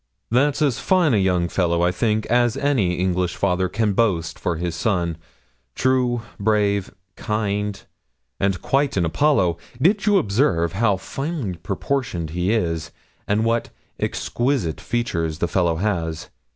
'That's as fine a young fellow, I think, as any English father can boast for his son true, brave, and kind, and quite an Apollo. Did you observe how finely proportioned he is, and what exquisite features the fellow has?